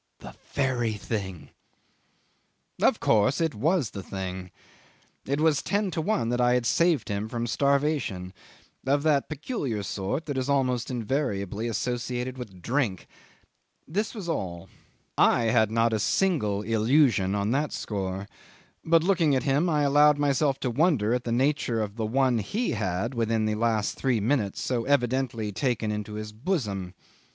"The very thing ..." 'Of course it was the thing. It was ten to one that I had saved him from starvation of that peculiar sort that is almost invariably associated with drink. This was all. I had not a single illusion on that score, but looking at him, I allowed myself to wonder at the nature of the one he had, within the last three minutes, so evidently taken into his bosom.